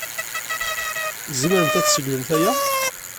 Tzemremt ad tseggmemt aya?